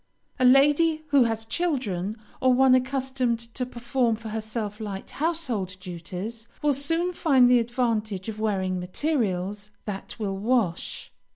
A lady who has children, or one accustomed to perform for herself light household duties, will soon find the advantage of wearing materials that will wash.